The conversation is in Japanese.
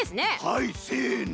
はいせの。